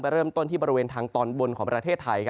เริ่มต้นที่บริเวณทางตอนบนของประเทศไทย